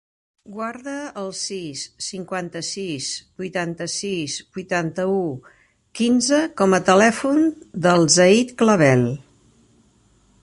Guarda el sis, cinquanta-sis, vuitanta-sis, vuitanta-u, quinze com a telèfon del Zayd Clavel.